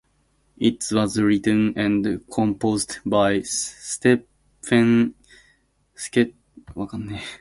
It was written and composed by Stephen Schwartz.